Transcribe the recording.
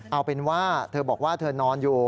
เอาเป็นว่าเธอบอกว่าเธอนอนอยู่